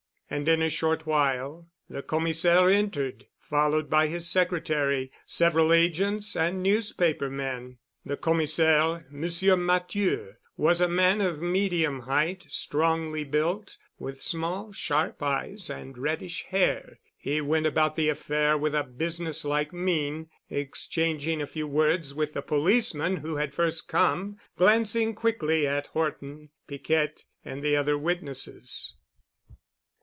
And in a short while the Commissaire entered, followed by his secretary, several Agents and newspaper men. The Commissaire, Monsieur Matthieu, was a man of medium height strongly built, with small sharp eyes, and reddish hair. He went about the affair with a business like mien, exchanging a few words with the policeman who had first come, glancing quickly at Horton, Piquette, and the other witnesses.